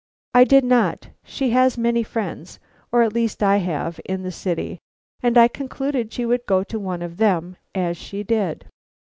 "I did not. She has many friends, or at least I have, in the city, and I concluded she would go to one of them as she did."